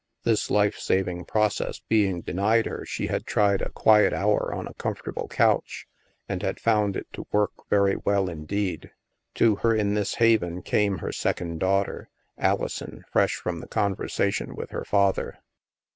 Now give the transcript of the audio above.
This life saving process being denied her, she had tried a quiet hour on a comfortable couch, and had found it to work very well indeed . To her, in this haven, came her second daughter, Alison, fresh from the conversation with her father.